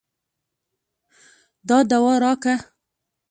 دا دوا راکه.